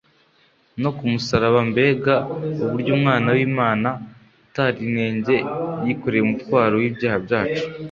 no ku musaraba Mbeg uburyUmwana wlmana utagirinenge yikoreyumutwaro wibyaha byacu